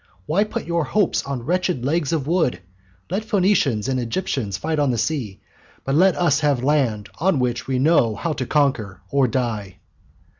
Why put your hopes on wretched logs of wood? Let Phoenicians and Egyptians fight on the sea, but let us have land on which we know how to conquer or die."